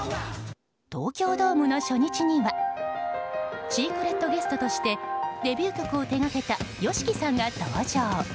東京ドームの初日にはシークレットゲストとしてデビュー曲を手掛けたＹＯＳＨＩＫＩさんが登場。